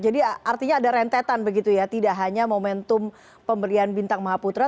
artinya ada rentetan begitu ya tidak hanya momentum pemberian bintang maha putra